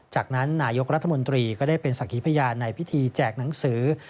จากนั้นนายกรัฐมนตรีก็ได้เป็นสักขีพยานในพิธีแจกหนังสือ